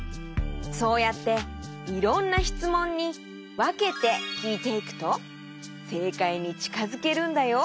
そうやっていろんなしつもんにわけてきいていくとせいかいにちかづけるんだよ。